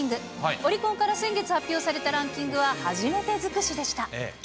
オリコンから先月発表されたランキングは、初めて尽くしでした。